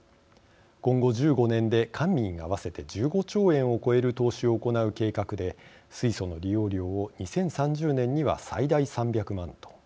今後１５年で官民合わせて１５兆円を超える投資を行う計画で水素の利用量を２０３０年には最大３００万トン